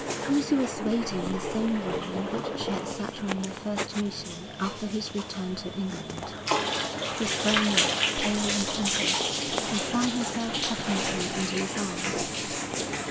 Lucy was waiting in the same room in which she had sat on their first meeting after his return to England. She sprang up, pale and eager, and flung herself passionately into his arms.